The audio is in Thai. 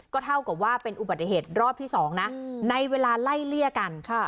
เท่ากับว่าเป็นอุบัติเหตุรอบที่๒นะในเวลาไล่เลี่ยกัน